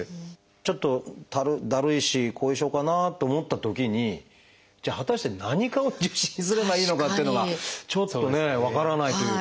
ちょっとだるいし後遺症かなと思ったときにじゃあ果たして何科を受診すればいいのかっていうのがちょっとね分からないというか。